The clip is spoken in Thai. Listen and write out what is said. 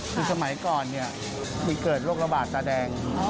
คือสมัยก่อนเนี่ยมีเกิดโรคระบาดตาแดง